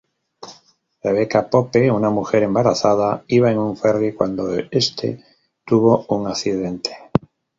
Rebeca Pope, una mujer embarazada, iba en un ferry cuando este tuvo un accidente.